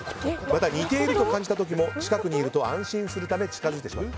また似ていると感じた時も近くにいると安心するため近づいてしまう。